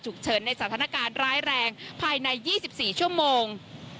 เฉินในสถานการณ์ร้ายแรงภายใน๒๔ชั่วโมง